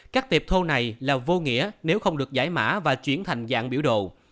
các tiệp thô này là vô nghĩa nếu không được giải mã và chuyển thành dạng biểu đồ